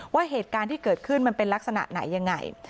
ว่าเหตุการณ์ที่เกิดขึ้นมันเป็นลักษณะไหนยังไง